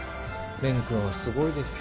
レン君はすごいです。